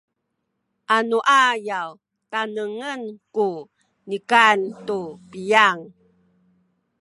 anuayaw tanengen ku nikan tu piyang